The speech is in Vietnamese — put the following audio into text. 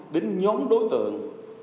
đến nhóm đối tượng